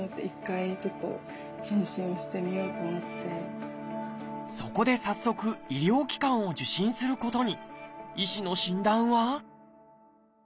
さすがにそこで早速医療機関を受診することに。